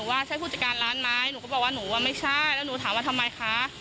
ว่าใช่ผู้จัดการร้านไหมหนูก็บอกว่าหนูว่าไม่ใช่แล้วหนูถามว่าทำไมคะ